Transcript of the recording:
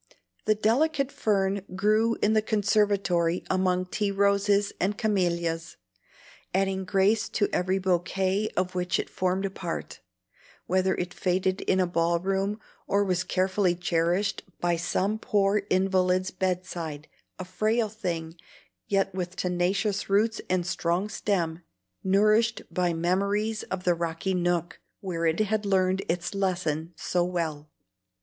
The delicate fern grew in the conservatory among tea roses and camelias, adding grace to every bouquet of which it formed a part, whether it faded in a ball room, or was carefully cherished by some poor invalid's bed side, a frail thing, yet with tenacious roots and strong stem, nourished by memories of the rocky nook where it had learned its lesson so well.